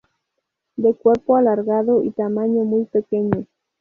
De cuerpo alargado y tamaño muy pequeño.